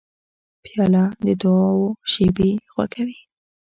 پیاله د دعاو شېبې خوږوي.